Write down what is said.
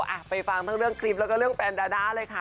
อ่ะไปฟังทั้งเรื่องคลิปแล้วก็เรื่องแฟนดาด้าเลยค่ะ